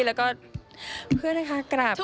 แล้วก็เพื่อนนะคะกราบ